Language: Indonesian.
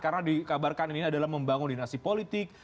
karena dikabarkan ini adalah membangun dinasti politik